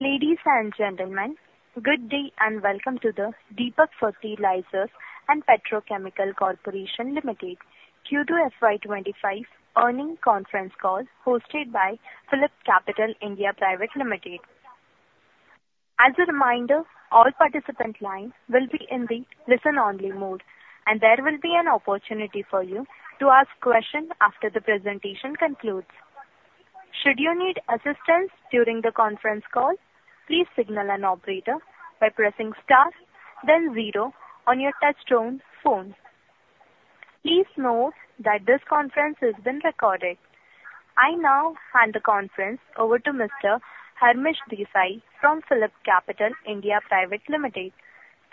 Ladies and gentlemen, good day and welcome to the Deepak Fertilisers and Petrochemicals Corporation Limited Q2 FY25 earnings conference call hosted by PhillipCapital (India) Private Limited. As a reminder, all participant lines will be in the listen-only mode, and there will be an opportunity for you to ask questions after the presentation concludes. Should you need assistance during the conference call, please signal an operator by pressing star, then zero on your touch-tone phone. Please note that this conference has been recorded. I now hand the conference over to Mr. Harmesh Desai from PhillipCapital (India) Private Limited.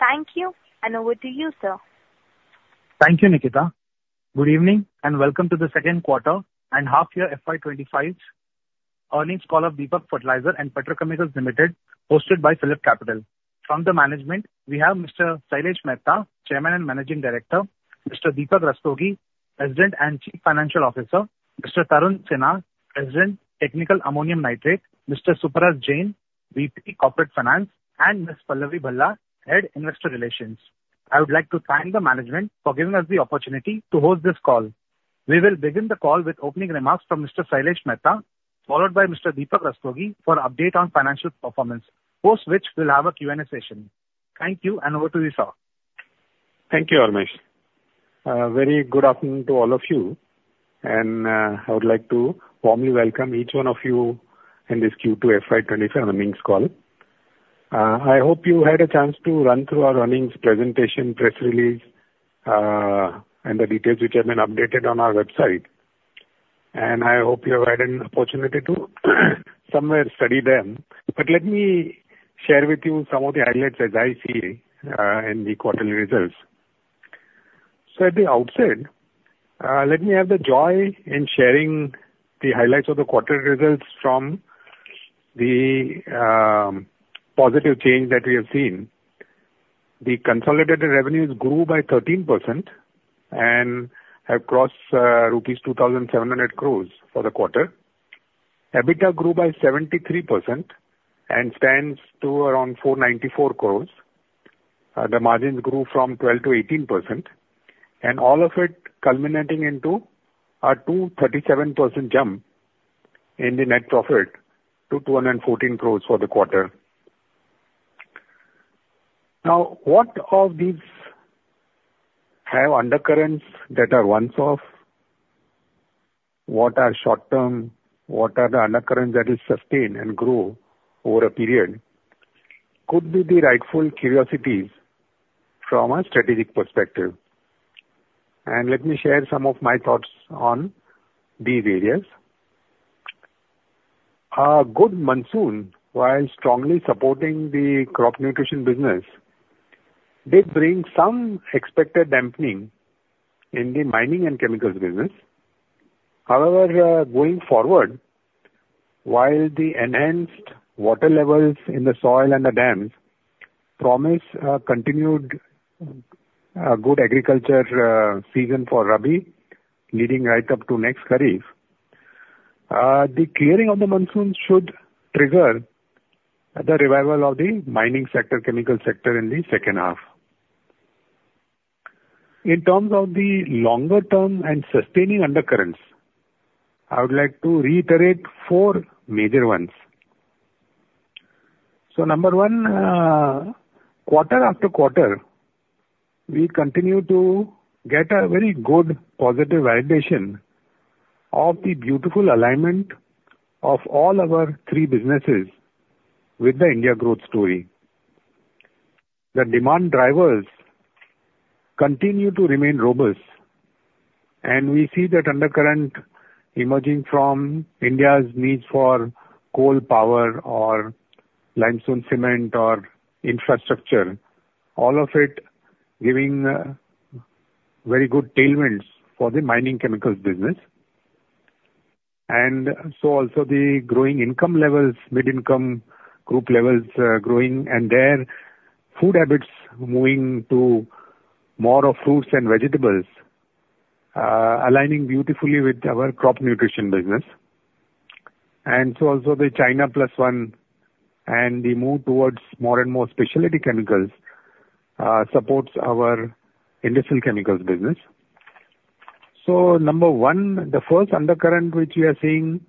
Thank you, and over to you, sir. Thank you, Nikita. Good evening and welcome to the second quarter and half-year FY25 earnings call of Deepak Fertilisers and Petrochemicals Corporation Limited, hosted by PhillipCapital. From the management, we have Mr. Sailesh Mehta, Chairman and Managing Director; Mr. Deepak Rastogi, President and Chief Financial Officer; Mr. Tarun Sinha, President, Technical Ammonium Nitrate; Mr. Subhash Jain, VP Corporate Finance; and Ms. Pallavi Bhalla, Head Investor Relations. I would like to thank the management for giving us the opportunity to host this call. We will begin the call with opening remarks from Mr. Sailesh Mehta, followed by Mr. Deepak Rastogi for an update on financial performance, post which we will have a Q&A session. Thank you, and over to you, sir. Thank you, Harmesh. Very good afternoon to all of you, and I would like to warmly welcome each one of you in this Q2 FY25 earnings call. I hope you had a chance to run through our earnings presentation, press release, and the details which have been updated on our website. And I hope you have had an opportunity to somewhere study them. But let me share with you some of the highlights as I see in the quarterly results. So at the outset, let me have the joy in sharing the highlights of the quarter results from the positive change that we have seen. The consolidated revenues grew by 13% and have crossed rupees 2,700 crores for the quarter. EBITDA grew by 73% and stands to around 494 crores. The margins grew from 12% to 18%, and all of it culminating into a 237% jump in the net profit to 214 crores for the quarter. Now, what of these have undercurrents that are one-off? What are short-term? What are the undercurrents that will sustain and grow over a period? Could be the rightful curiosities from a strategic perspective. And let me share some of my thoughts on these areas. A good monsoon, while strongly supporting the crop nutrition business, did bring some expected dampening in the mining and chemicals business. However, going forward, while the enhanced water levels in the soil and the dams promise a continued good agriculture season for Rabi, leading right up to next Kharif, the clearing of the monsoon should trigger the revival of the mining sector, chemical sector in the second half. In terms of the longer-term and sustaining undercurrents, I would like to reiterate four major ones. So number one, quarter after quarter, we continue to get a very good positive validation of the beautiful alignment of all our three businesses with the India growth story. The demand drivers continue to remain robust, and we see that undercurrent emerging from India's need for coal power or limestone cement or infrastructure, all of it giving very good tailwinds for the mining chemicals business. And so also the growing income levels, mid-income group levels growing, and their food habits moving to more of fruits and vegetables, aligning beautifully with our crop nutrition business. And so also the China plus one and the move towards more and more specialty chemicals supports our industrial chemicals business. So number one, the first undercurrent which we are seeing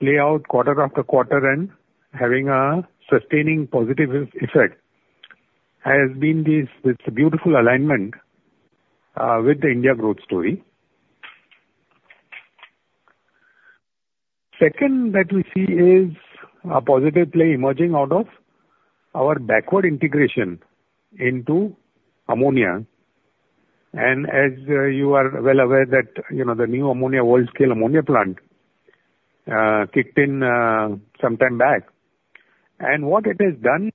play out quarter after quarter and having a sustaining positive effect has been this beautiful alignment with the India growth story. Second, that we see is a positive play emerging out of our backward integration into ammonia. And as you are well aware that the new ammonia world-scale ammonia plant kicked in some time back, and what it has done.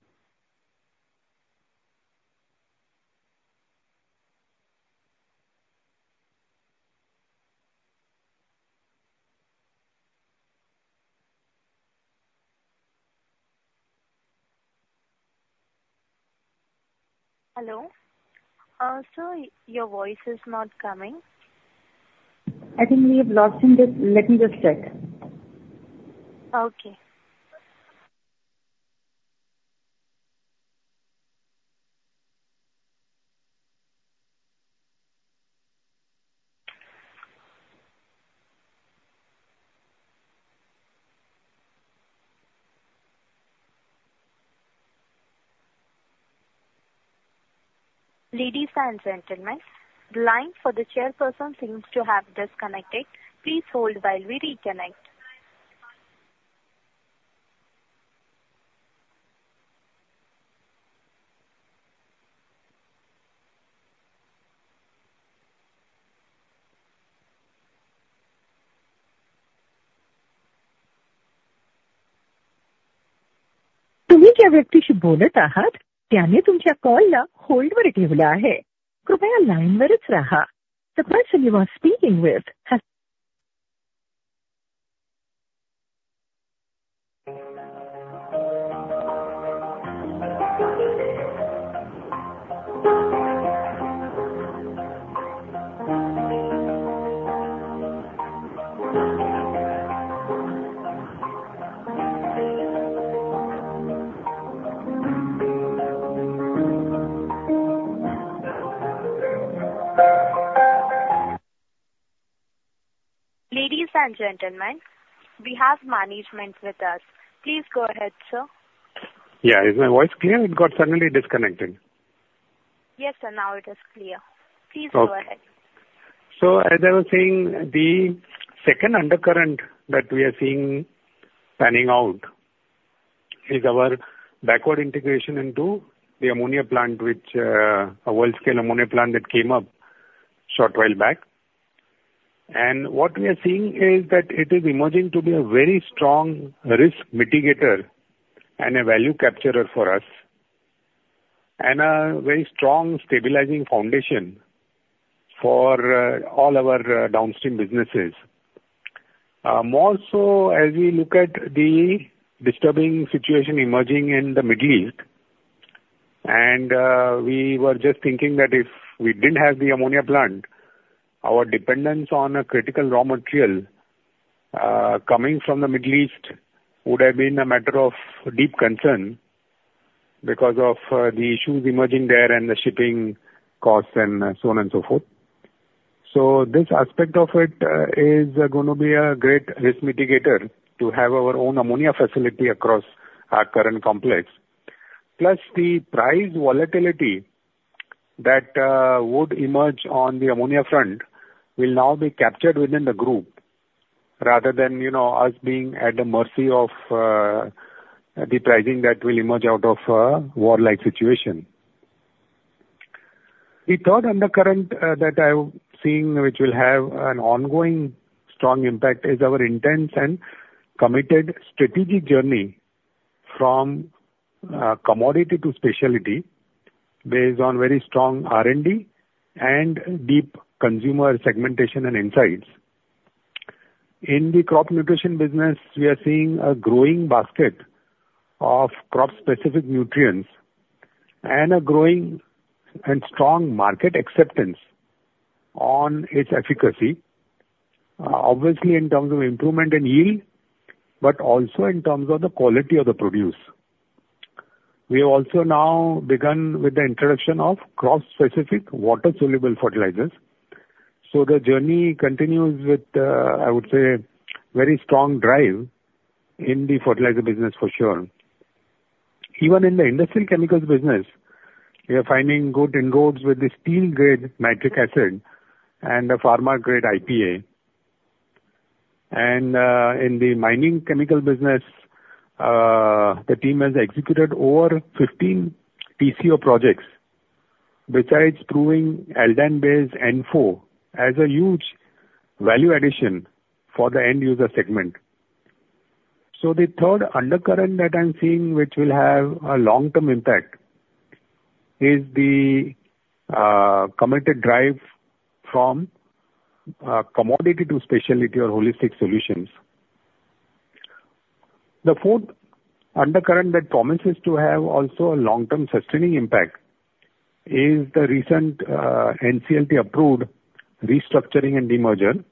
Hello? Also, your voice is not coming. I think we have lost him. Let me just check. Okay. Ladies and gentlemen, the line for the chairperson seems to have disconnected. Please hold while we reconnect. तुम्ही ज्या व्यक्तीशी बोलत आहात, त्याने तुमच्या कॉलला होल्डवर ठेवला आहे. कृपया लाईनवरच राहा. The person you are speaking with has. Ladies and gentlemen, we have management with us. Please go ahead, sir. Yeah, is my voice clear? It got suddenly disconnected. Yes, sir, now it is clear. Please go ahead. So as I was saying, the second undercurrent that we are seeing panning out is our backward integration into the ammonia plant, which is a world-scale ammonia plant that came up a short while back. And what we are seeing is that it is emerging to be a very strong risk mitigator and a value capture for us, and a very strong stabilizing foundation for all our downstream businesses. More so, as we look at the disturbing situation emerging in the Middle East, and we were just thinking that if we didn't have the ammonia plant, our dependence on a critical raw material coming from the Middle East would have been a matter of deep concern because of the issues emerging there and the shipping costs and so on and so forth. So this aspect of it is going to be a great risk mitigator to have our own ammonia facility across our current complex. Plus, the price volatility that would emerge on the ammonia front will now be captured within the group rather than us being at the mercy of the pricing that will emerge out of a war-like situation. The third undercurrent that I'm seeing, which will have an ongoing strong impact, is our intense and committed strategic journey from commodity to specialty based on very strong R&D and deep consumer segmentation and insights. In the crop nutrition business, we are seeing a growing basket of crop-specific nutrients and a growing and strong market acceptance on its efficacy, obviously in terms of improvement in yield, but also in terms of the quality of the produce. We have also now begun with the introduction of crop-specific water-soluble fertilizers. So the journey continues with, I would say, a very strong drive in the fertilizer business, for sure. Even in the industrial chemicals business, we are finding good inroads with the steel-grade nitric acid and the pharma-grade IPA. And in the mining chemical business, the team has executed over 15 PCO projects besides proving LDAN-based ANFO as a huge value addition for the end-user segment. So the third undercurrent that I'm seeing, which will have a long-term impact, is the committed drive from commodity to specialty or holistic solutions. The fourth undercurrent that promises to have also a long-term sustaining impact is the recent NCLT-approved restructuring and demerger.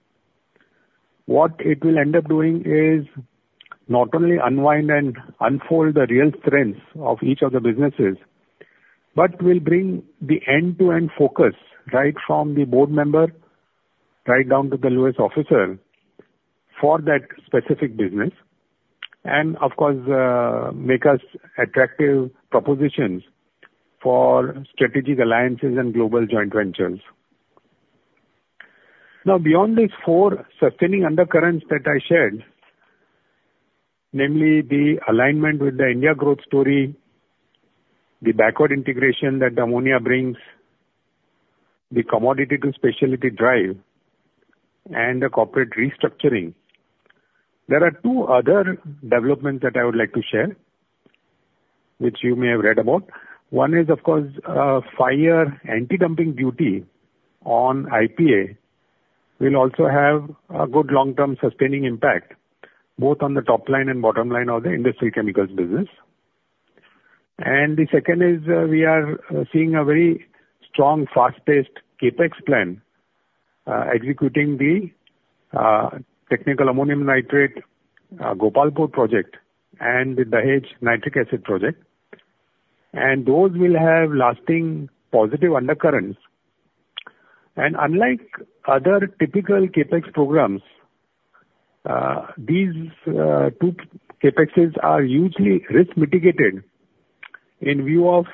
What it will end up doing is not only unwind and unfold the real strengths of each of the businesses, but will bring the end-to-end focus right from the board member right down to the lowest officer for that specific business, and of course, make us attractive propositions for strategic alliances and global joint ventures. Now, beyond these four sustaining undercurrents that I shared, namely the alignment with the India growth story, the backward integration that ammonia brings, the commodity to specialty drive, and the corporate restructuring, there are two other developments that I would like to share, which you may have read about. One is, of course, final anti-dumping duty on IPA will also have a good long-term sustaining impact both on the top line and bottom line of the industrial chemicals business. And the second is we are seeing a very strong, fast-paced CapEx plan executing the Technical Ammonium Nitrate Gopalpur project and the Dahej nitric acid project. And those will have lasting positive undercurrents. And unlike other typical CapEx programs, these two CapExes are usually risk mitigated in view of,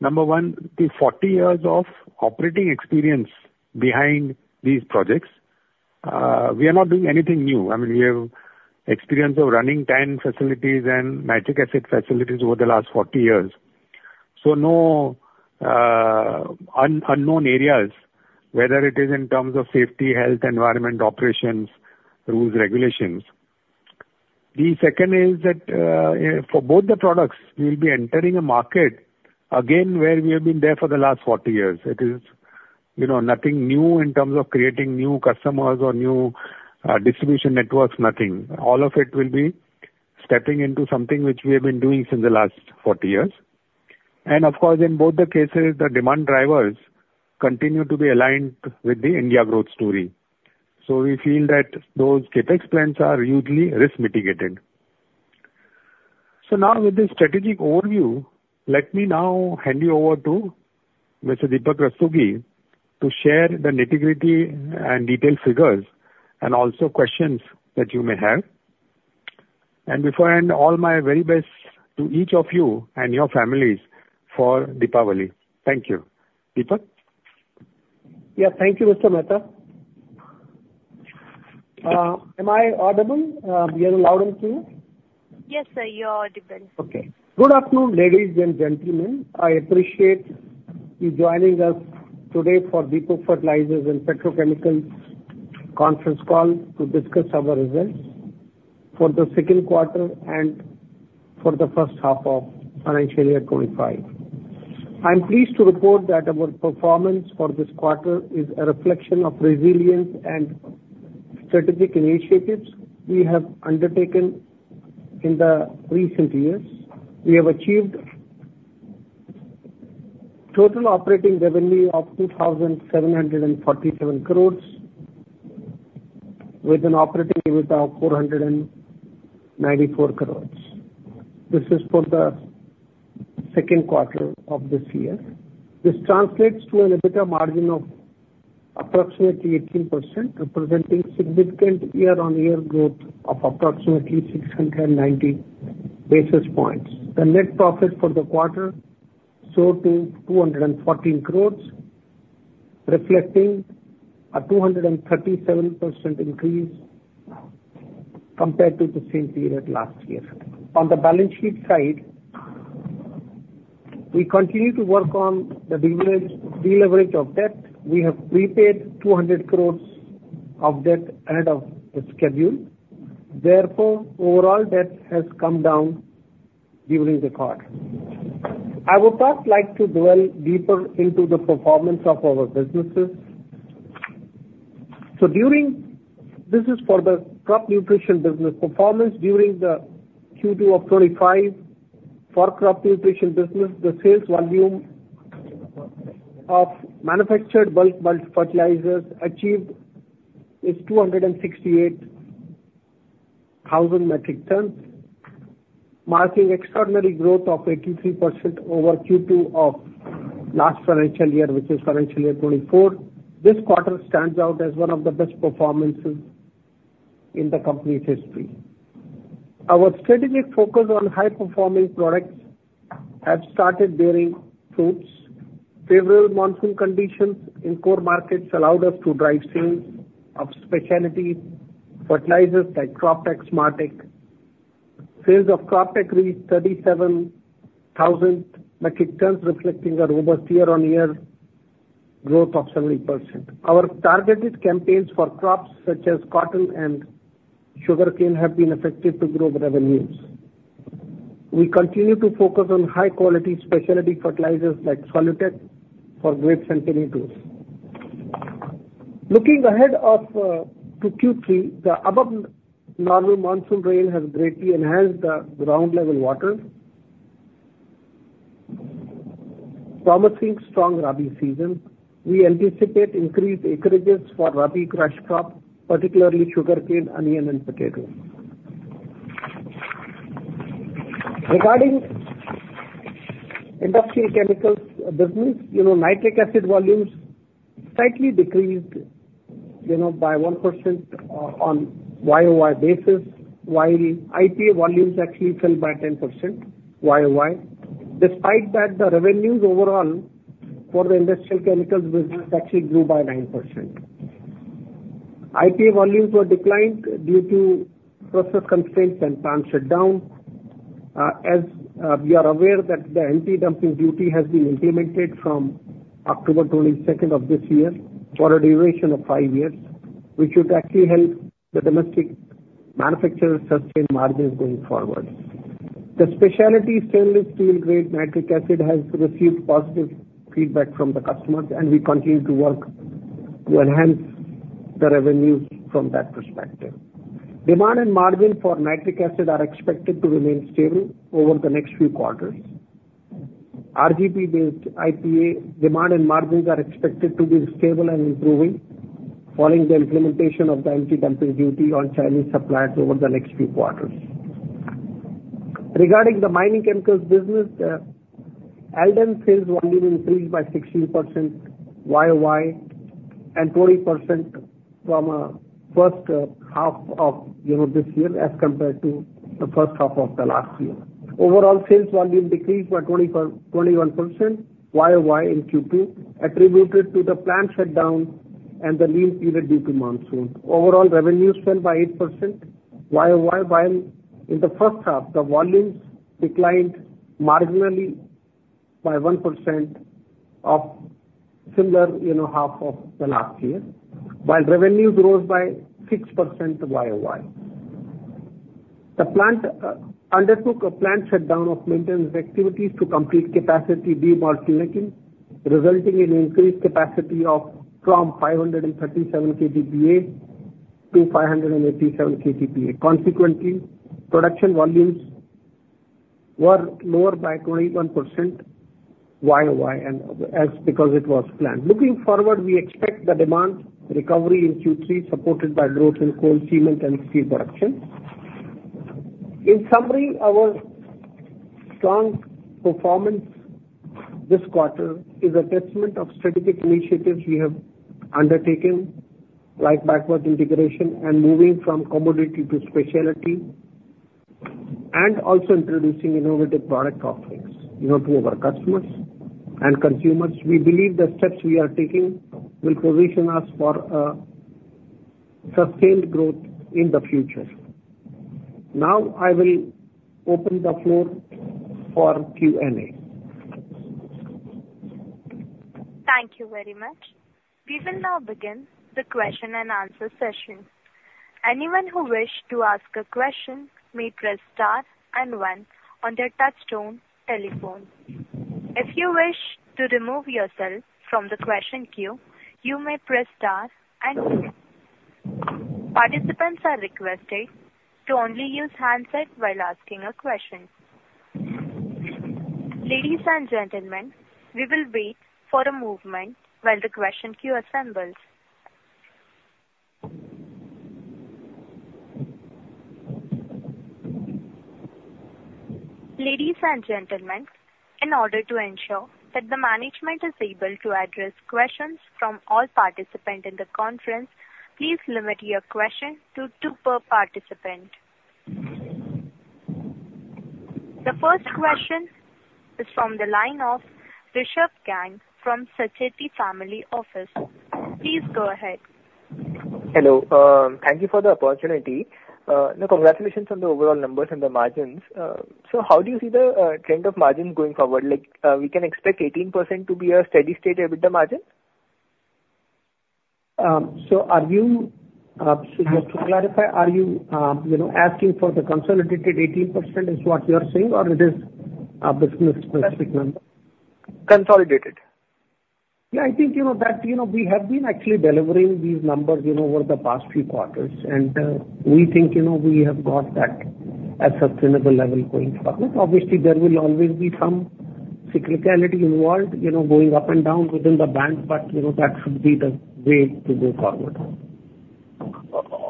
number one, the 40 years of operating experience behind these projects. We are not doing anything new. I mean, we have experience of running TAN facilities and nitric acid facilities over the last 40 years. So no unknown areas, whether it is in terms of safety, health, environment, operations, rules, regulations. The second is that for both the products, we will be entering a market again where we have been there for the last 40 years. It is nothing new in terms of creating new customers or new distribution networks, nothing. All of it will be stepping into something which we have been doing since the last 40 years. And of course, in both the cases, the demand drivers continue to be aligned with the India growth story. So we feel that those CAPEX plans are usually risk mitigated. So now, with this strategic overview, let me now hand you over to Mr. Deepak Rastogi to share the nitty-gritty and detailed figures and also questions that you may have. And beforehand, all my very best to each of you and your families for Deepavali. Thank you. Deepak? Yeah, thank you, Mr. Mehta. Am I audible? You're loud and clear? Yes, sir, you're audible. Okay. Good afternoon, ladies and gentlemen. I appreciate you joining us today for Deepak Fertilisers and Petrochemicals conference call to discuss our results for the second quarter and for the first half of financial year 2025. I'm pleased to report that our performance for this quarter is a reflection of resilience and strategic initiatives we have undertaken in the recent years. We have achieved total operating revenue of 2,747 crores with an operating EBITDA of 494 crores. This is for the second quarter of this year. This translates to an EBITDA margin of approximately 18%, representing significant year-on-year growth of approximately 690 basis points. The net profit for the quarter soared to 214 crores, reflecting a 237% increase compared to the same period last year. On the balance sheet side, we continue to work on the deleverage of debt. We have prepaid 200 crores of debt ahead of the schedule. Therefore, overall debt has come down during the quarter. I would first like to dwell deeper into the performance of our businesses. So this is for the crop nutrition business performance. During the Q2 of 2025, for crop nutrition business, the sales volume of manufactured bulk multifertilizers achieved is 268,000 metric tons, marking extraordinary growth of 83% over Q2 of last financial year, which is financial year 2024. This quarter stands out as one of the best performances in the company's history. Our strategic focus on high-performing products has started bearing fruits. Favorable monsoon conditions in core markets allowed us to drive sales of specialty fertilizers like CropTEK, SmarTEK. Sales of CropTEK reached 37,000 metric tons, reflecting a robust year-on-year growth of 70%. Our targeted campaigns for crops such as cotton and sugarcane have been effective to grow revenues. We continue to focus on high-quality specialty fertilizers like SoluTEK for grapes and tomatoes. Looking ahead to Q3, the above-normal monsoon rain has greatly enhanced the ground-level water, promising strong rabi season. We anticipate increased acreages for rabi cash crop, particularly sugarcane, onion, and potato. Regarding industrial chemicals business, nitric acid volumes slightly decreased by 1% on YOY basis, while IPA volumes actually fell by 10% YOY. Despite that, the revenues overall for the industrial chemicals business actually grew by 9%. IPA volumes were declined due to process constraints and plant shutdown. As we are aware that the anti-dumping duty has been implemented from October 22nd of this year for a duration of five years, which should actually help the domestic manufacturers sustain margins going forward. The specialty stainless steel-grade nitric acid has received positive feedback from the customers, and we continue to work to enhance the revenues from that perspective. Demand and margin for nitric acid are expected to remain stable over the next few quarters. RGP-based IPA demand and margins are expected to be stable and improving following the implementation of the anti-dumping duty on Chinese suppliers over the next few quarters. Regarding the mining chemicals business, the LDAN sales volume increased by 16% YOY and 20% from the first half of this year as compared to the first half of the last year. Overall, sales volume decreased by 21% YOY in Q2, attributed to the plant shutdown and the lean period due to monsoon. Overall revenues fell by 8% YOY, while in the first half, the volumes declined marginally by 1% of the similar half of the last year, while revenues rose by 6% YOY. The plant undertook a plant shutdown of maintenance activities to complete capacity debottlenecking, resulting in increased capacity from 537 KTPA to 587 KTPA. Consequently, production volumes were lower by 21% YOY because it was planned. Looking forward, we expect the demand recovery in Q3, supported by growth in coal, cement, and steel production. In summary, our strong performance this quarter is a testament to strategic initiatives we have undertaken, like backward integration and moving from commodity to specialty, and also introducing innovative product offerings to our customers and consumers. We believe the steps we are taking will position us for sustained growth in the future. Now, I will open the floor for Q&A. Thank you very much. We will now begin the question and answer session. Anyone who wishes to ask a question may press star and one on their touch-tone telephone. If you wish to remove yourself from the question queue, you may press star and one. Participants are requested to only use handset while asking a question. Ladies and gentlemen, we will wait for a moment while the question queue assembles. Ladies and gentlemen, in order to ensure that the management is able to address questions from all participants in the conference, please limit your question to two per participant. The first question is from the line of Rishabh Gang from Sacheti Family Office. Please go ahead. Hello. Thank you for the opportunity. Congratulations on the overall numbers and the margins. So how do you see the trend of margins going forward? We can expect 18% to be a steady-state EBITDA margin? So just to clarify, are you asking for the consolidated 18% is what you're saying, or is this a business-specific number? Consolidated. Yeah, I think that we have been actually delivering these numbers over the past few quarters, and we think we have got that at a sustainable level going forward. Obviously, there will always be some cyclicality involved, going up and down within the band, but that should be the way to go forward.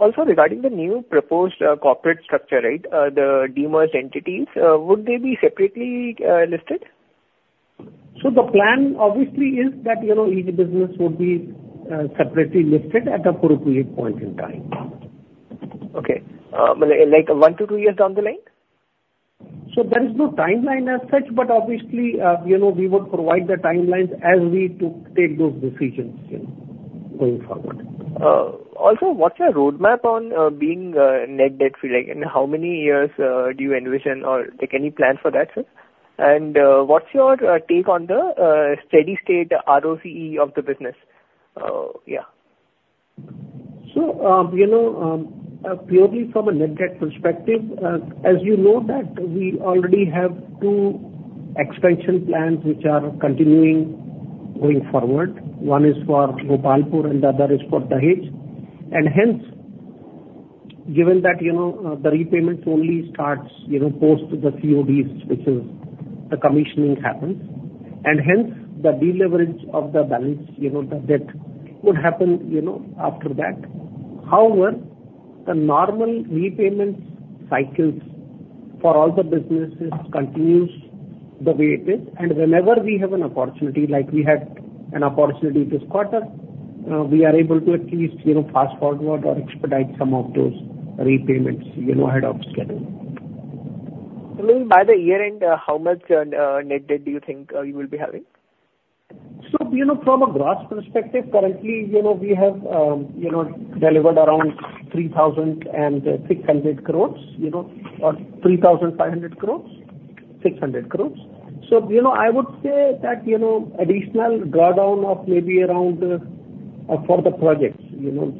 Also, regarding the new proposed corporate structure, right, the demerged entities, would they be separately listed? So the plan, obviously, is that each business would be separately listed at an appropriate point in time. Okay. Like one to two years down the line? There is no timeline as such, but obviously, we would provide the timelines as we take those decisions going forward. Also, what's your roadmap on being net debt-free? How many years do you envision or take any plans for that? And what's your take on the steady-state ROCE of the business? Yeah. So purely from a net debt perspective, as you know, that we already have two expansion plans which are continuing going forward. One is for Gopalpur and the other is for Dahej. And hence, given that the repayments only start post the CODs, which is the commissioning happens, and hence the deleverage of the balance, the debt would happen after that. However, the normal repayment cycles for all the businesses continue the way it is. And whenever we have an opportunity, like we had an opportunity this quarter, we are able to at least fast forward or expedite some of those repayments ahead of schedule. So by the year end, how much net debt do you think you will be having? So from a gross perspective, currently, we have delivered around 3,600 crores or 3,500 crores, 600 crores. So I would say that additional drawdown of maybe around for the projects.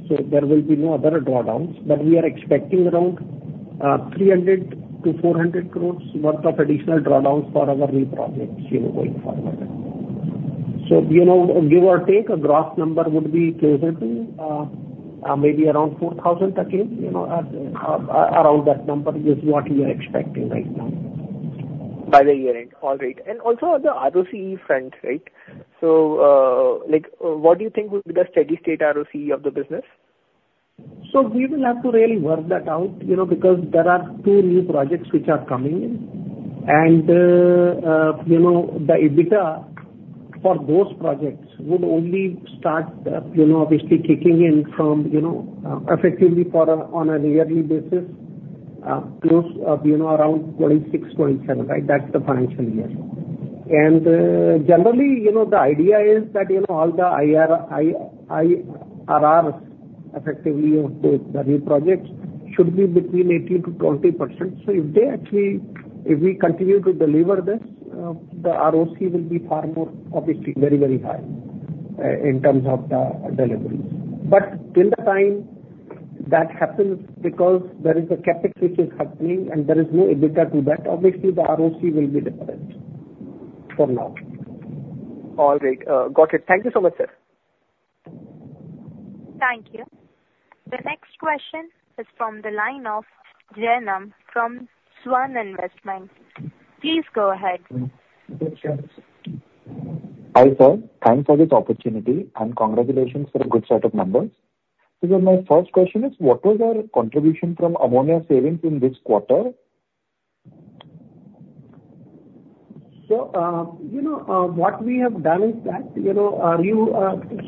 So there will be no other drawdowns, but we are expecting around 300-400 crores' worth of additional drawdowns for our new projects going forward. So give or take, a gross number would be closer to maybe around 4,000 again, around that number is what we are expecting right now. By the year end. All right. And also on the ROCE front, right? So what do you think would be the steady-state ROCE of the business? So we will have to really work that out because there are two new projects which are coming in. And the EBITDA for those projects would only start, obviously, kicking in effectively on a yearly basis, close around 26.7%, right? That's the financial year. And generally, the idea is that all the IRRs effectively of the new projects should be between 18%-20%. So if we continue to deliver this, the ROCE will be far more, obviously, very, very high in terms of the deliveries. But in the time that happens because there is a CAPEX which is happening, and there is no EBITDA to that, obviously, the ROCE will be different for now. All right. Got it. Thank you so much, sir. Thank you. The next question is from the line of Jainam from Svan Investments. Please go ahead. Hi, sir. Thanks for this opportunity and congratulations for a good set of numbers. So my first question is, what was our contribution from Ammonia Savings in this quarter? So what we have done is that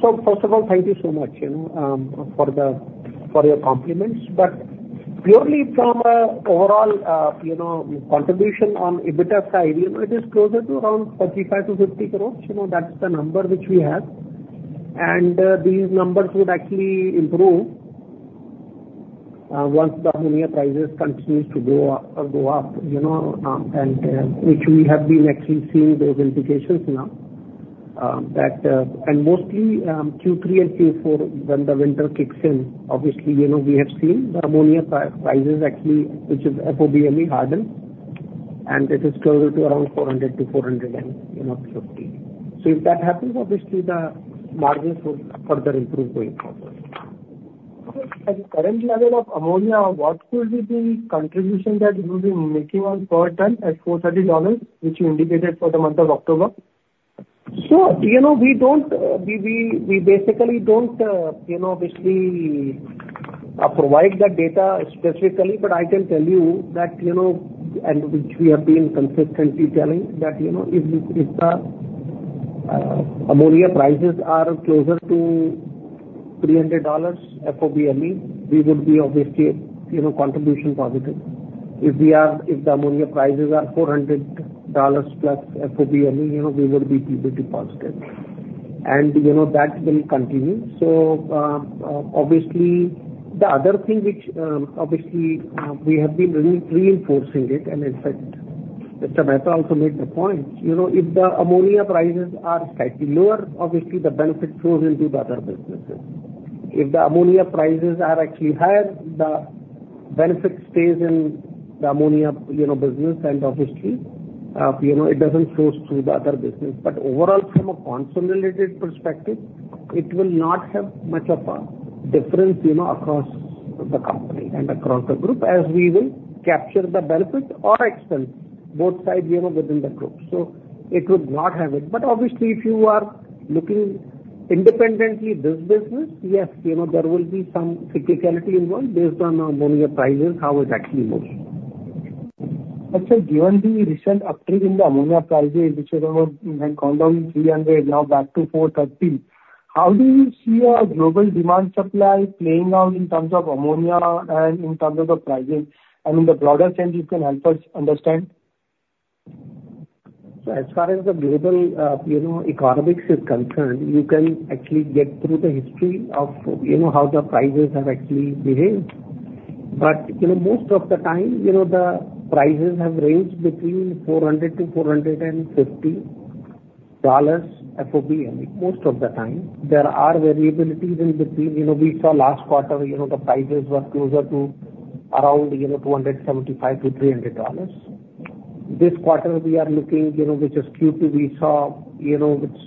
so first of all, thank you so much for your compliments. But purely from an overall contribution on EBITDA side, it is closer to around 45-50 crores. That's the number which we have. And these numbers would actually improve once the ammonia prices continue to go up, which we have been actually seeing those implications now. And mostly Q3 and Q4, when the winter kicks in, obviously, we have seen the ammonia prices actually, which is FOB ME, hardened, and it is closer to around $400-$450. So if that happens, obviously, the margins would further improve going forward. Okay. At the current level of ammonia, what would be the contribution that you've been making on per ton at $430, which you indicated for the month of October? So, we basically don't obviously provide that data specifically, but I can tell you that, and which we have been consistently telling, that if the Ammonia prices are closer to $300 FOB ME, we would be obviously contribution positive. If the Ammonia prices are $400 plus FOB ME, we would be positive. And that will continue. So obviously, the other thing which obviously we have been reinforcing it, and in fact, Mr. Mehta also made the point, if the Ammonia prices are slightly lower, obviously, the benefit flows into the other businesses. If the Ammonia prices are actually higher, the benefit stays in the Ammonia business and obviously, it doesn't flow through the other business. But overall, from a consolidated perspective, it will not have much of a difference across the company and across the group as we will capture the benefit or expense both sides within the group. So it would not have it. But obviously, if you are looking independently this business, yes, there will be some cyclicality involved based on the ammonia prices, how it actually moves. Actually, given the recent uptrend in the ammonia prices, which have gone down 300, now back to 413, how do you see a global demand supply playing out in terms of ammonia and in terms of the pricing? I mean, the broader trend, you can help us understand. As far as the global economics is concerned, you can actually get through the history of how the prices have actually behaved. But most of the time, the prices have ranged between $400-$450 FOB ME. Most of the time, there are variabilities in between. We saw last quarter, the prices were closer to around $275-$300. This quarter, we are looking, which is Q2, we saw it's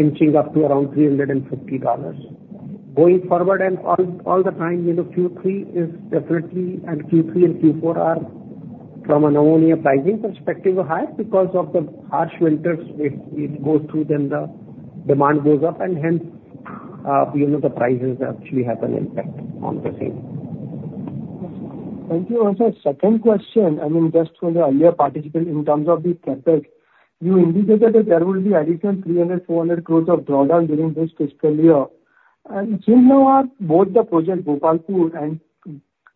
inching up to around $350. Going forward, and all the time, Q3 is definitely, and Q3 and Q4 are, from an Ammonia pricing perspective, higher because of the harsh winters it goes through, then the demand goes up, and hence, the prices actually have an impact on the same. Thank you. And so second question, I mean, just for the earlier participants, in terms of the CapEx, you indicated that there will be additional 300-400 crores of drawdown during this fiscal year. And since now, both the project, Gopalpur and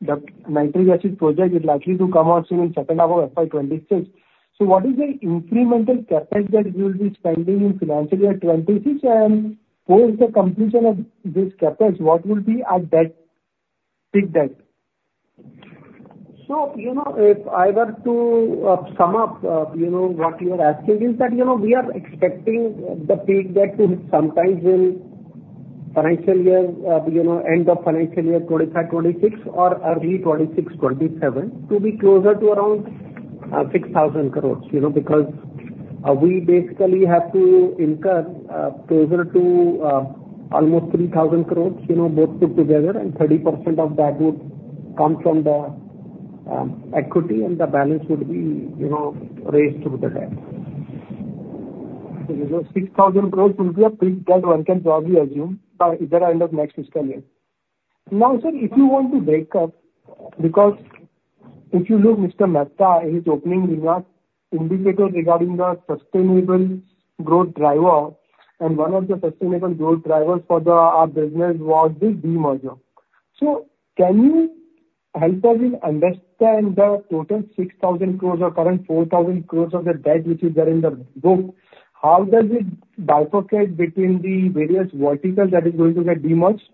the nitric acid project is likely to come out in the second half of FY 2026, so what is the incremental CapEx that you will be spending in financial year 2026? And post the completion of this CapEx, what will be at that peak debt? So if I were to sum up what you are asking, it's that we are expecting the peak debt to sometimes in financial year, end of financial year 2025, 2026, or early 2026, 2027, to be closer to around 6,000 crores because we basically have to incur closer to almost 3,000 crores both put together, and 30% of that would come from the equity, and the balance would be raised through the debt. So INR 6,000 crores would be a peak debt, one can probably assume, either end of next fiscal year. Now, sir, if you want to break up, because if you look, Mr. Mehta, his opening indicator regarding the sustainable growth driver, and one of the sustainable growth drivers for our business was the demerger. So can you help us understand the total 6,000 crores or current 4,000 crores of the debt which is there in the book? How does it bifurcate between the various verticals that are going to get demerged?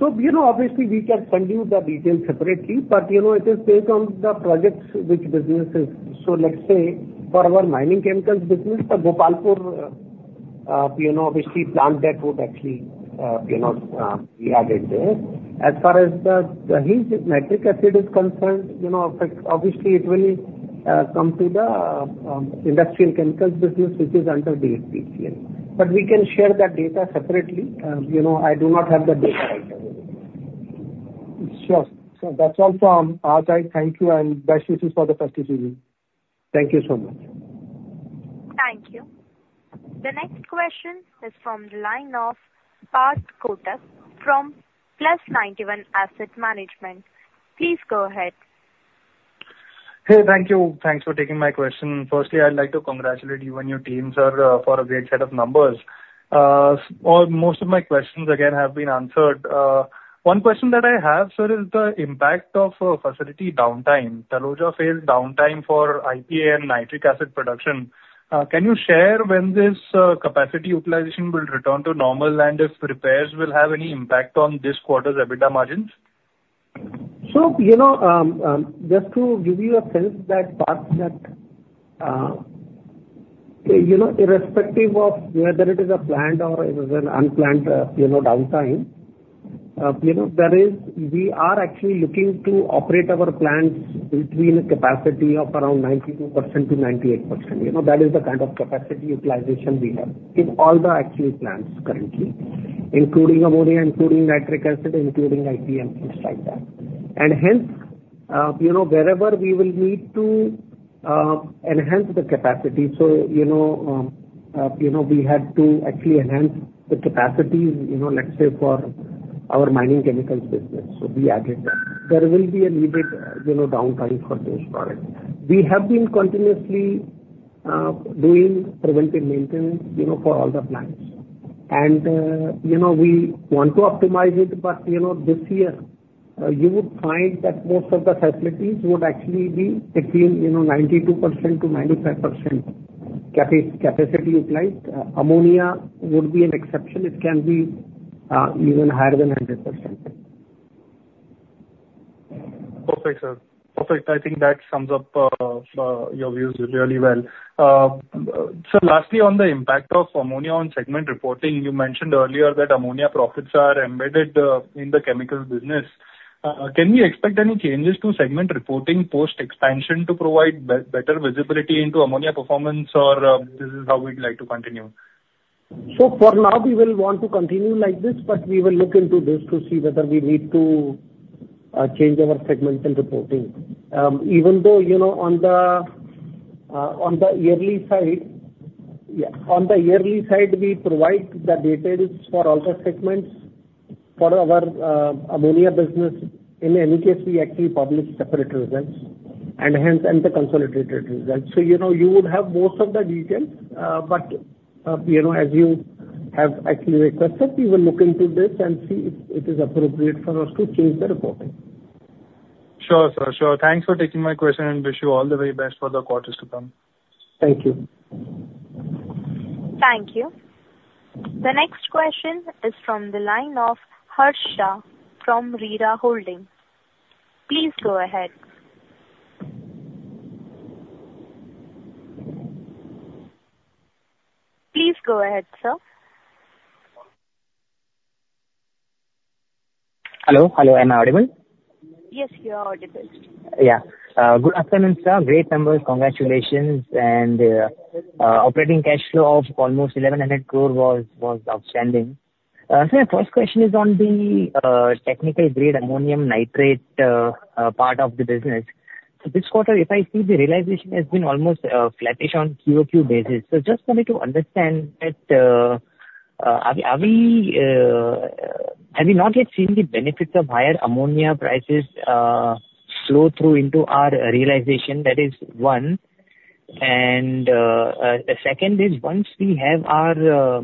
So, obviously, we can send you the details separately, but it is based on the projects which businesses. So, let's say for our mining chemicals business, the Gopalpur, obviously, plant debt would actually be added there. As far as this nitric acid is concerned, obviously, it will come to the industrial chemicals business, which is under the FPCA. But we can share that data separately. I do not have the data right now. Sure. So that's all from our side. Thank you, and best wishes for the festive season. Thank you so much. Thank you. The next question is from the line of Parth Kothari from Plus91 Capital. Please go ahead. Hey, thank you. Thanks for taking my question. Firstly, I'd like to congratulate you and your team, sir, for a great set of numbers. Most of my questions, again, have been answered. One question that I have, sir, is the impact of facility downtime, Taloja facility downtime for IPA and nitric acid production. Can you share when this capacity utilization will return to normal and if repairs will have any impact on this quarter's EBITDA margins? So just to give you a sense that irrespective of whether it is a planned or it is an unplanned downtime, we are actually looking to operate our plants between a capacity of around 92%-98%. That is the kind of capacity utilization we have in all the actual plants currently, including ammonia, including nitric acid, including IPA, and things like that. And hence, wherever we will need to enhance the capacity, so we had to actually enhance the capacities, let's say, for our mining chemicals business. So we added that. There will be a needed downtime for those products. We have been continuously doing preventive maintenance for all the plants. And we want to optimize it, but this year, you would find that most of the facilities would actually be between 92%-95% capacity utilized. Ammonia would be an exception. It can be even higher than 100%. Perfect, sir. Perfect. I think that sums up your views really well. So lastly, on the impact of Ammonia on segment reporting, you mentioned earlier that Ammonia profits are embedded in the chemical business. Can we expect any changes to segment reporting post-expansion to provide better visibility into Ammonia performance, or this is how we'd like to continue? So for now, we will want to continue like this, but we will look into this to see whether we need to change our segmental reporting. Even though on the yearly side, on the yearly side, we provide the details for all the segments for our Ammonia business. In any case, we actually publish separate results and hence the consolidated results. So you would have most of the details, but as you have actually requested, we will look into this and see if it is appropriate for us to change the reporting. Sure, sir. Sure. Thanks for taking my question, and wish you all the very best for the quarters to come. Thank you. Thank you. The next question is from the line of Harsha from Rita Holdings. Please go ahead. Please go ahead, sir. Hello. Hello. Am I audible? Yes, you're audible. Yeah. Good afternoon, sir. Great numbers. Congratulations. And operating cash flow of almost 1,100 crore was outstanding. So my first question is on the technical-grade ammonium nitrate part of the business. So this quarter, if I see, the realization has been almost flattish on QOQ basis. So just wanted to understand that have we not yet seen the benefits of higher ammonia prices flow through into our realization? That is one. And the second is once we have our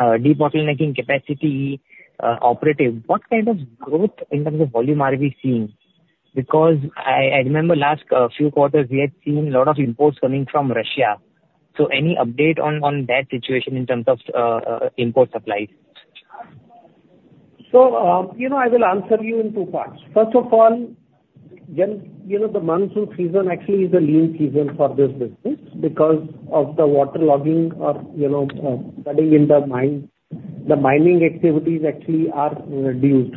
debottlenecking capacity operative, what kind of growth in terms of volume are we seeing? Because I remember last few quarters, we had seen a lot of imports coming from Russia. So any update on that situation in terms of import supplies? So I will answer you in two parts. First of all, the monsoon season actually is a lean season for this business because of the waterlogging or standing in the mine. The mining activities actually are reduced.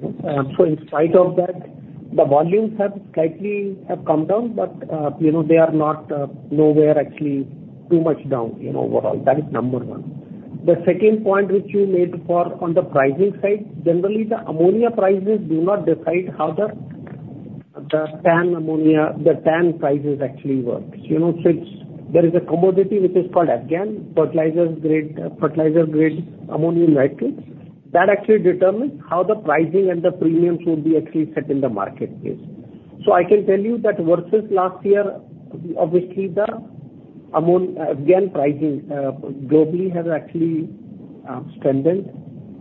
So in spite of that, the volumes have slightly come down, but they are not nowhere actually too much down overall. That is number one. The second point which you made on the pricing side, generally, the ammonia prices do not decide how the TAN ammonia, the TAN prices actually work. So there is a commodity which is called FGAN fertilizer-grade ammonium nitrate. That actually determines how the pricing and the premiums would be actually set in the marketplace. So I can tell you that versus last year, obviously, the FGAN pricing globally has actually strengthened,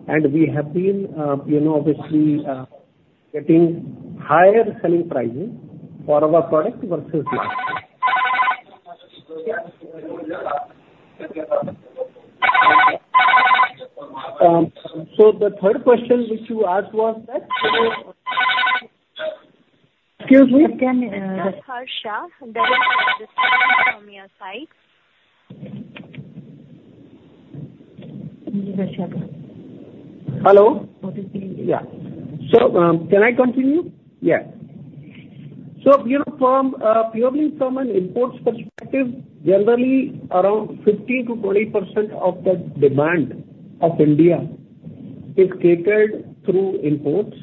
and we have been obviously getting higher selling prices for our product versus last year. So, the third question which you asked was that. Excuse me. Harsha? There was a discussion from your side. Hello? Yeah. So can I continue? Yes. So purely from an import perspective, generally, around 15%-20% of the demand of India is catered through imports.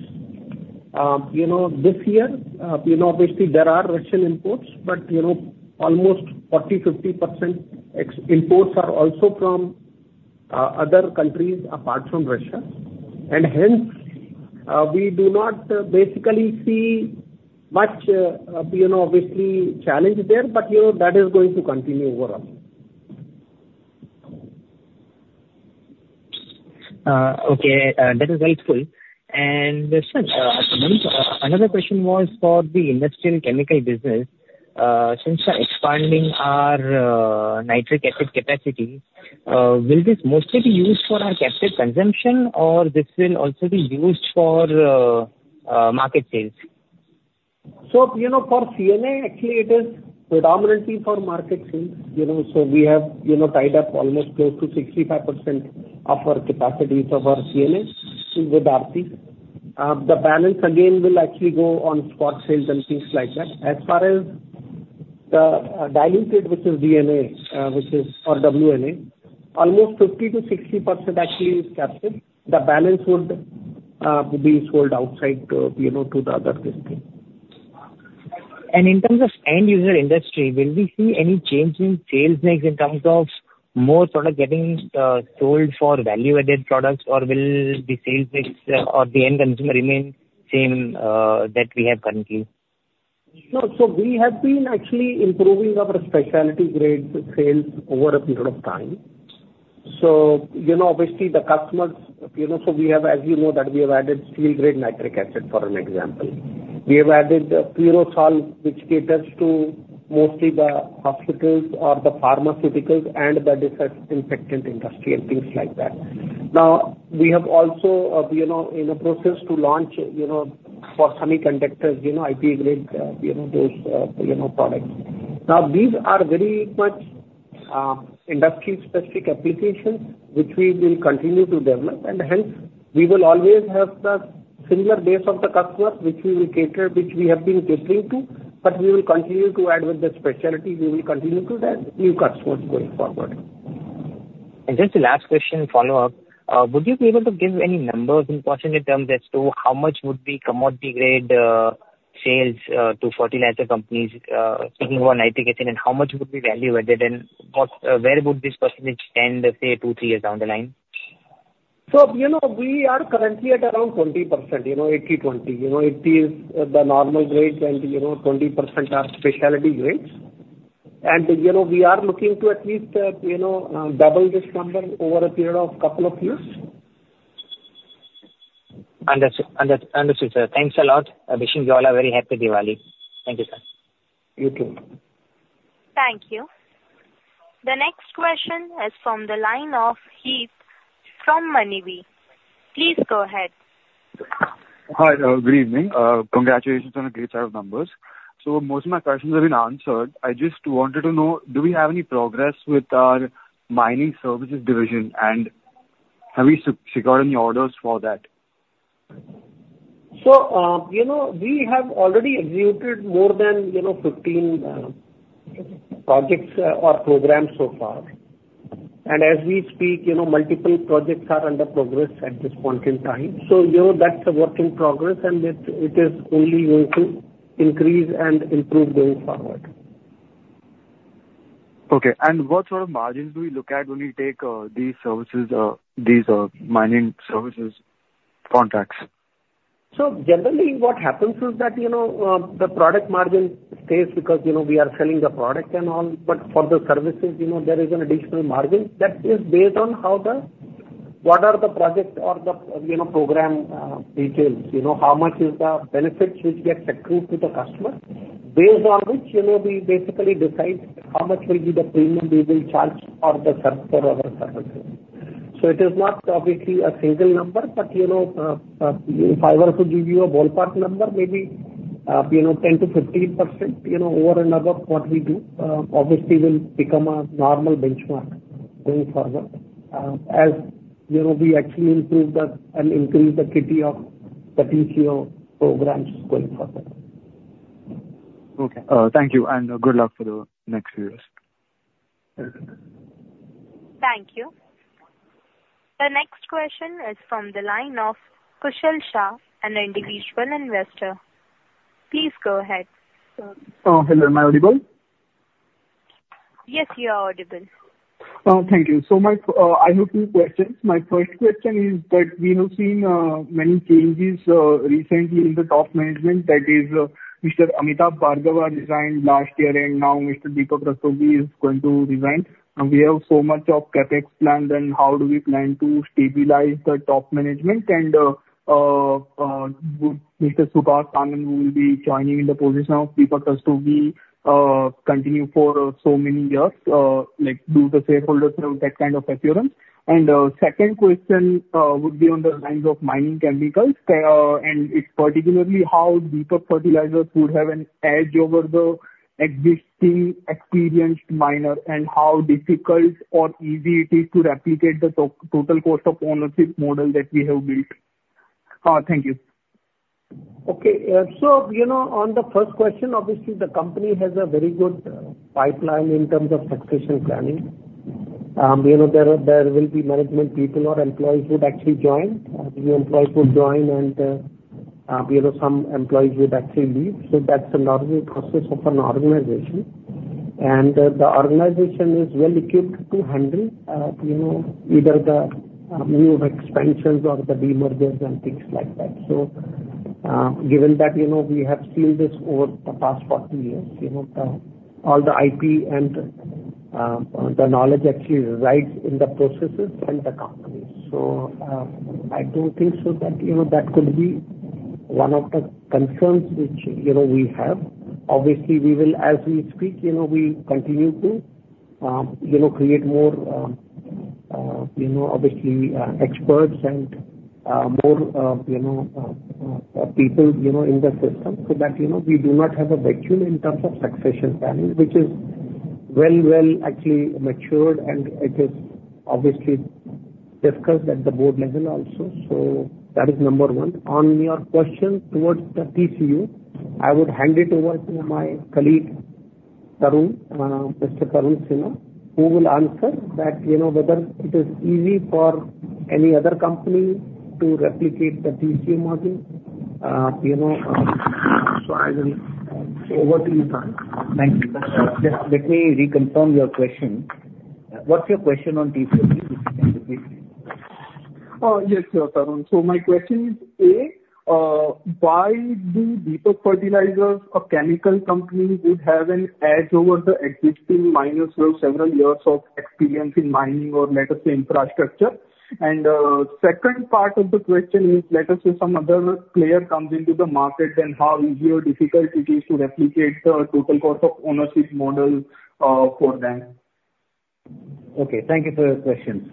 This year, obviously, there are Russian imports, but almost 40%-50% imports are also from other countries apart from Russia. And hence, we do not basically see much obviously challenge there, but that is going to continue overall. Okay. That is helpful. And sir, another question was for the industrial chemical business. Since we are expanding our nitric acid capacity, will this mostly be used for our captive consumption, or this will also be used for market sales? So for CNA, actually, it is predominantly for market sales. So we have tied up almost close to 65% of our capacity for our CNA with RT. The balance, again, will actually go on spot sales and things like that. As far as the dilute, which is DNA, which is or WNA, almost 50%-60% actually is captive. The balance would be sold outside to the other district. In terms of end-user industry, will we see any change in sales next in terms of more product getting sold for value-added products, or will the sales next or the end consumer remain same that we have currently? No. So we have been actually improving our specialty-grade sales over a period of time. So obviously, the customers so we have, as you know, that we have added steel-grade nitric acid, for an example. We have added pure IPA, which caters to mostly the hospitals or the pharmaceuticals and the disinfectant industry and things like that. Now, we have also been in the process to launch for semiconductors, IPA-grade, those products. Now, these are very much industry-specific applications, which we will continue to develop. And hence, we will always have the similar base of the customers, which we will cater, which we have been catering to, but we will continue to add with the specialty. We will continue to add new customers going forward. Just the last question follow-up. Would you be able to give any numbers in percentage terms as to how much would be commodity-grade sales to fertilizer companies speaking about nitric acid, and how much would be value-added, and where would this percentage stand, say, two, three years down the line? We are currently at around 20%, 80-20. 80 is the normal grade, and 20% are specialty grades. We are looking to at least double this number over a period of a couple of years. Understood, sir. Thanks a lot. I wish you all a very happy Diwali. Thank you, sir. You too. Thank you. The next question is from the line of Heath from Manvi. Please go ahead. Hi. Good evening. Congratulations on the great set of numbers. So most of my questions have been answered. I just wanted to know, do we have any progress with our mining services division, and have we secured any orders for that? So we have already executed more than 15 projects or programs so far. And as we speak, multiple projects are under progress at this point in time. So that's a work in progress, and it is only going to increase and improve going forward. Okay. And what sort of margins do we look at when we take these services, these mining services contracts? Generally, what happens is that the product margin stays because we are selling the product and all, but for the services, there is an additional margin that is based on what are the project or the program details, how much is the benefits which gets accrued to the customer, based on which we basically decide how much will be the premium we will charge for the other services, so it is not obviously a single number, but if I were to give you a ballpark number, maybe 10%-15% over and above what we do, obviously, will become a normal benchmark going forward as we actually improve and increase the KT of the TCO programs going forward. Okay. Thank you. And good luck for the next few years. Thank you. The next question is from the line of Kushil Shah, an individual investor. Please go ahead. Hello. Am I audible? Yes, you are audible. Thank you. So I have two questions. My first question is that we have seen many changes recently in the top management, that is Mr. Amitabh Bhargava resigned last year, and now Mr. Deepak Rastogi is going to resign. We have so much of CAPEX planned, and how do we plan to stabilize the top management? And Mr. Subhash Anand will be joining in the position of Deepak Rastogi, continue for so many years, do the shareholders have that kind of assurance? And second question would be on the lines of mining chemicals, and it's particularly how Deepak Fertilisers would have an edge over the existing experienced miner, and how difficult or easy it is to replicate the total cost of ownership model that we have built. Thank you. Okay. So on the first question, obviously, the company has a very good pipeline in terms of succession planning. There will be management people or employees who would actually join. The employees would join, and some employees would actually leave. So that's a normal process of an organization. And the organization is well equipped to handle either the new expansions or the demergers and things like that. So given that we have seen this over the past 40 years, all the IP and the knowledge actually resides in the processes and the companies. So I don't think so that that could be one of the concerns which we have. Obviously, as we speak, we continue to create more, obviously, experts and more people in the system so that we do not have a vacuum in terms of succession planning, which is well, well actually matured, and it is obviously discussed at the board level also. So that is number one. On your question towards the TCO, I would hand it over to my colleague, Mr. Tarun Sinha, who will answer that whether it is easy for any other company to replicate the TCO model. So I will hand over to you, sir. Thank you. Just let me reconfirm your question. What's your question on TCU, please? Yes, sir. So my question is, A, why do Deepak Fertilizers, a chemical company, would have an edge over the existing miners who have several years of experience in mining or, let us say, infrastructure? And second part of the question is, let us say, some other player comes into the market, then how easy or difficult it is to replicate the total cost of ownership model for them? Okay. Thank you for your questions.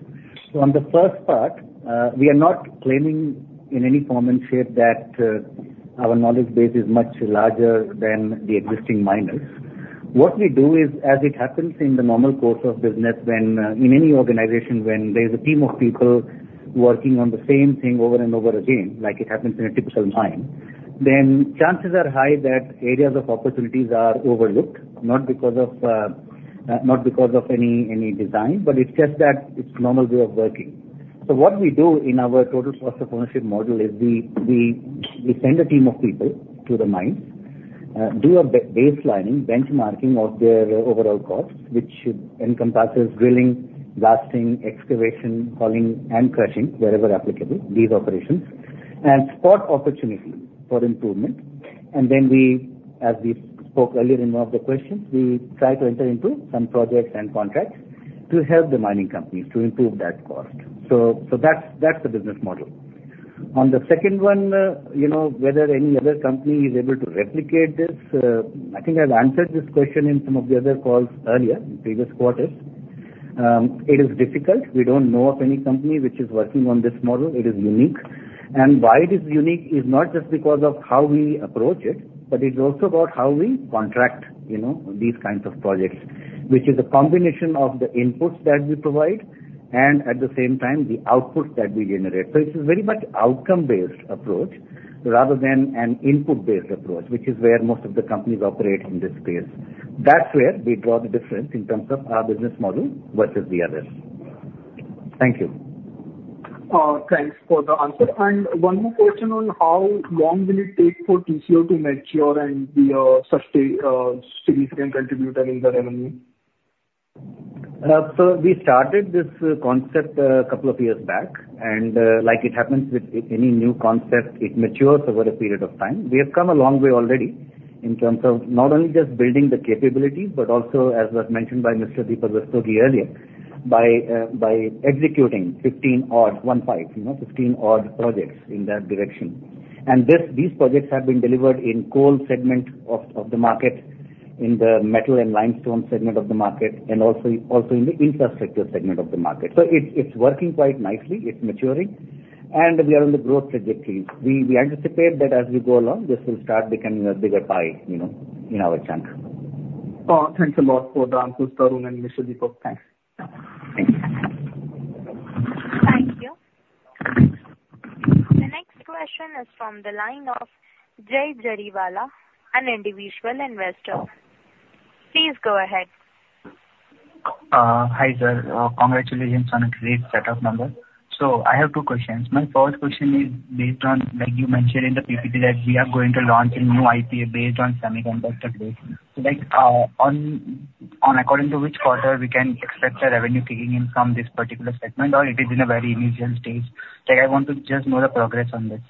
So on the first part, we are not claiming in any form and shape that our knowledge base is much larger than the existing miners. What we do is, as it happens in the normal course of business in any organization, when there is a team of people working on the same thing over and over again, like it happens in a typical mine, then chances are high that areas of opportunities are overlooked, not because of any design, but it's just that it's a normal way of working. So what we do in our total cost of ownership model is we send a team of people to the mines, do a baseline benchmarking of their overall costs, which encompasses drilling, blasting, excavation, hauling, and crushing, wherever applicable, these operations, and spot opportunity for improvement. And then we, as we spoke earlier in one of the questions, we try to enter into some projects and contracts to help the mining companies to improve that cost. So that's the business model. On the second one, whether any other company is able to replicate this, I think I've answered this question in some of the other calls earlier, previous quarters. It is difficult. We don't know of any company which is working on this model. It is unique. And why it is unique is not just because of how we approach it, but it's also about how we contract these kinds of projects, which is a combination of the inputs that we provide and, at the same time, the outputs that we generate. So it's a very much outcome-based approach rather than an input-based approach, which is where most of the companies operate in this space. That's where we draw the difference in terms of our business model versus the others. Thank you. Thanks for the answer. And one more question on how long will it take for TCO to mature and be such a significant contributor in the revenue? We started this concept a couple of years back. Like it happens with any new concept, it matures over a period of time. We have come a long way already in terms of not only just building the capability, but also, as was mentioned by Mr. Deepak Rastogi earlier, by executing 15 odd projects in that direction. These projects have been delivered in coal segment of the market, in the metal and limestone segment of the market, and also in the infrastructure segment of the market. It's working quite nicely. It's maturing. We are on the growth trajectory. We anticipate that as we go along, this will start becoming a bigger pie in our chunk. Thanks a lot for the answers, Karun and Mr. Deepak. Thanks. Thank you. Thank you. The next question is from the line of Jay Jariwala, an individual investor. Please go ahead. Hi, sir. Congratulations on a great setup, Amber. So I have two questions. My first question is based on, like you mentioned in the PPP, that we are going to launch a new IPA based on semiconductor-based. According to which quarter we can expect the revenue kicking in from this particular segment, or it is in a very initial stage? I want to just know the progress on this.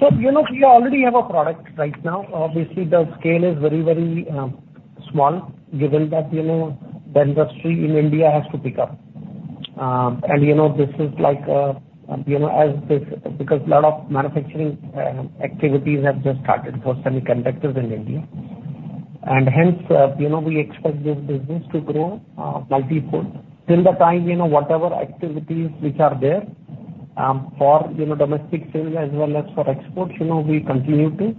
So we already have a product right now. Obviously, the scale is very, very small, given that the industry in India has to pick up. And this is like as this because a lot of manufacturing activities have just started for semiconductors in India. And hence, we expect this business to grow multifold. Till the time, whatever activities which are there for domestic sales as well as for exports, we continue to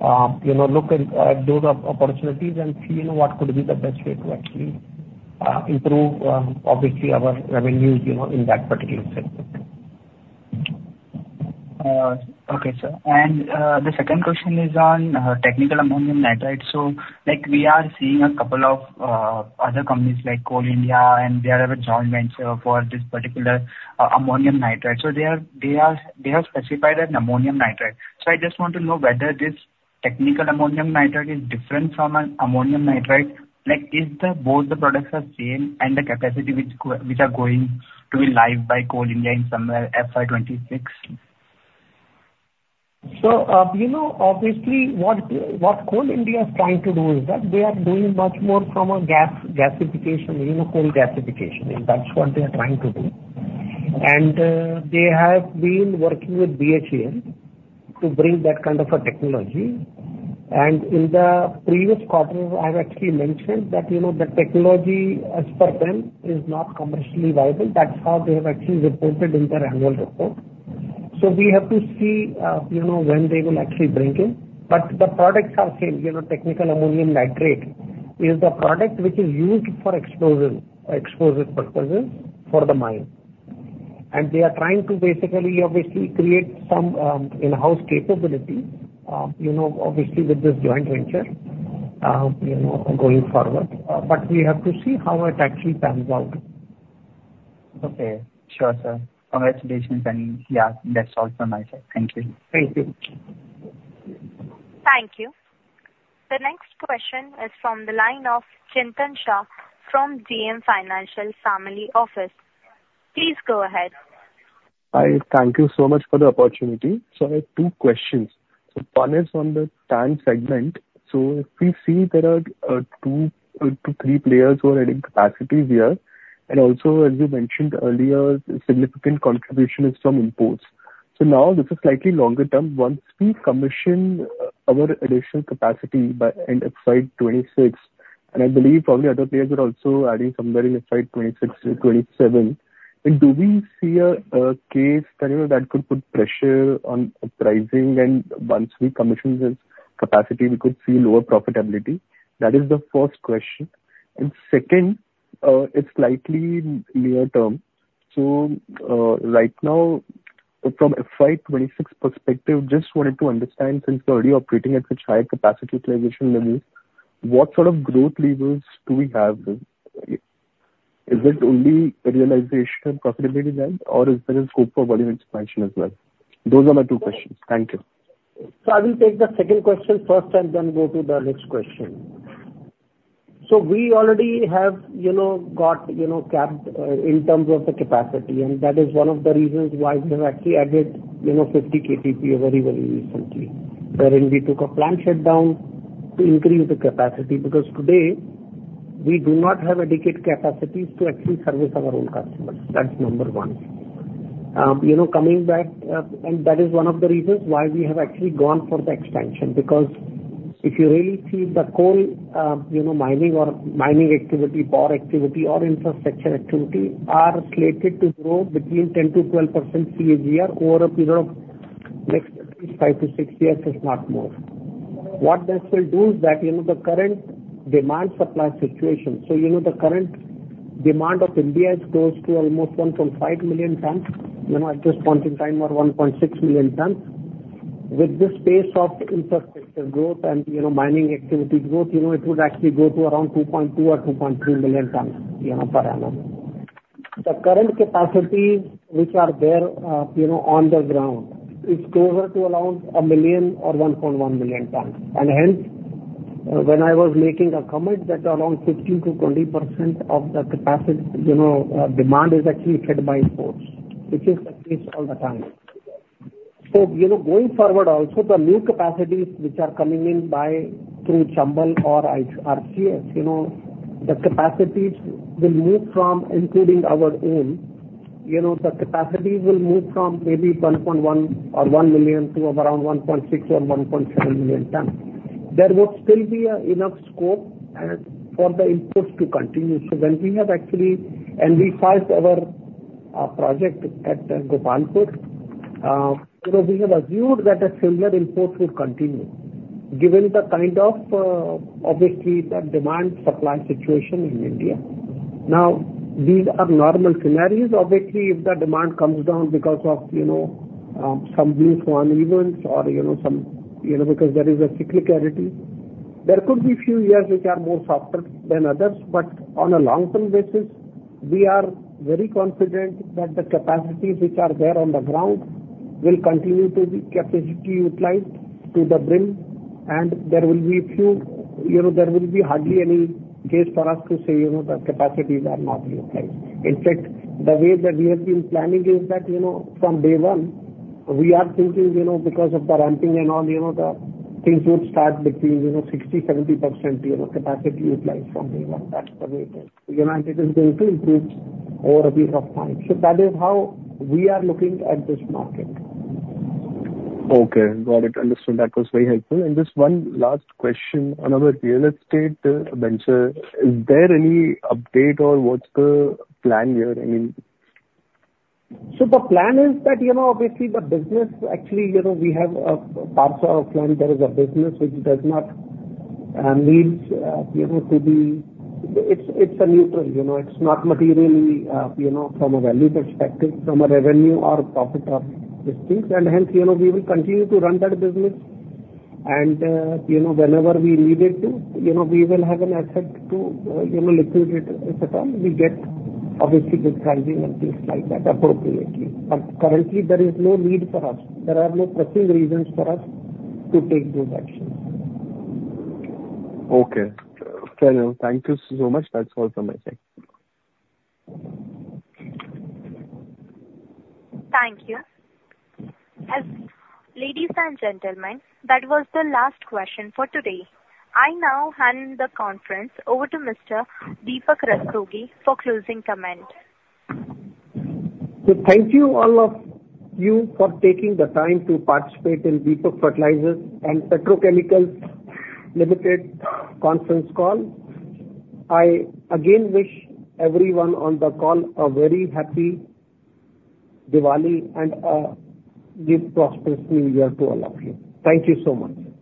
look at those opportunities and see what could be the best way to actually improve, obviously, our revenues in that particular segment. Okay, sir. And the second question is on technical ammonium nitrate. So we are seeing a couple of other companies like Coal India and their joint venture for this particular ammonium nitrate. So they have specified an ammonium nitrate. So I just want to know whether this technical ammonium nitrate is different from an ammonium nitrate. Is both the products the same and the capacity which are going to be live by Coal India in somewhere FY26? So obviously, what Coal India is trying to do is that they are doing much more from a gasification, coal gasification. And that's what they are trying to do. And they have been working with BHEL to bring that kind of a technology. And in the previous quarter, I have actually mentioned that the technology, as per them, is not commercially viable. That's how they have actually reported in their annual report. So we have to see when they will actually bring it. But the products are the same. Technical ammonium nitrate is the product which is used for explosive purposes for the mine. And they are trying to basically, obviously, create some in-house capability, obviously, with this joint venture going forward. But we have to see how it actually pans out. Okay. Sure, sir. Congratulations. And yeah, that's all from my side. Thank you. Thank you. Thank you. The next question is from the line of Chintan Shah from JM Financial Family Office. Please go ahead. Hi. Thank you so much for the opportunity. I have two questions. One is on the TAN segment. We see there are two to three players who are adding capacity here. And also, as you mentioned earlier, significant contribution is from imports. Now this is slightly longer term. Once we commission our additional capacity by end of FY26, and I believe probably other players are also adding somewhere in FY26 to FY27, do we see a case that could put pressure on pricing? And once we commission this capacity, we could see lower profitability. That is the first question, and second, it's slightly near term. Right now, from FY26 perspective, just wanted to understand, since we're already operating at such high capacity utilization levels, what sort of growth levels do we have? Is it only realization and profitability then, or is there a scope for volume expansion as well? Those are my two questions. Thank you. I will take the second question first and then go to the next question. We already have got capped in terms of the capacity. That is one of the reasons why we have actually added 50 KTPA very, very recently, wherein we took a plant shutdown to increase the capacity because today we do not have adequate capacities to actually service our own customers. That is number one. Coming back, that is one of the reasons why we have actually gone for the expansion because if you really see the coal mining or mining activity, power activity, or infrastructure activity are slated to grow between 10%-12% CAGR over a period of next at least five to six years, if not more. What this will do is that the current demand-supply situation, so the current demand of India is close to almost 1.5 million tons. At this point in time, we're 1.6 million tons. With this pace of infrastructure growth and mining activity growth, it would actually go to around 2.2 or 2.3 million tons per annum. The current capacities which are there on the ground is closer to around a million or 1.1 million tons, and hence, when I was making a comment that around 15%-20% of the demand is actually fed by imports, which is the case all the time, so going forward, also, the new capacities which are coming in by through Chambal or RCF, the capacities will move from including our own. The capacities will move from maybe 1.1 or 1 million to around 1.6 or 1.7 million tons. There would still be enough scope for the inputs to continue. So when we have actually TAN, our project at Gopalpur, we have assumed that a similar input would continue given the kind of, obviously, demand-supply situation in India. Now, these are normal scenarios. Obviously, if the demand comes down because of some black swan events or some because there is a cyclicality, there could be a few years which are more softer than others. But on a long-term basis, we are very confident that the capacities which are there on the ground will continue to be capacity utilized to the brim, and there will be hardly any case for us to say the capacities are not utilized. In fact, the way that we have been planning is that from day one, we are thinking because of the ramping and all, the things would start between 60%-70% capacity utilized from day one. That's the way it is. And it is going to improve over a period of time. So that is how we are looking at this market. Okay. Got it. Understood. That was very helpful, and just one last question. Another real estate venture. Is there any update or what's the plan here? I mean. So the plan is that, obviously, the business actually we have parts of our plan. There is a business which does not need to be. It's a neutral. It's not materially from a value perspective, from a revenue or profit of these things. And hence, we will continue to run that business. And whenever we need it to, we will have an asset to liquidate it if at all. We get, obviously, good pricing and things like that appropriately. But currently, there is no need for us. There are no pressing reasons for us to take those actions. Okay. Thank you so much. That's all from my side. Thank you. Ladies and gentlemen, that was the last question for today. I now hand the conference over to Mr. Deepak Rastogi for closing comment. Thank you all of you for taking the time to participate in Deepak Fertilisers and Petrochemicals Limited conference call. I again wish everyone on the call a very happy Diwali and a deep, prosperous New Year to all of you. Thank you so much.